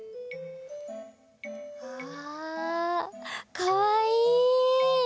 あかわいい！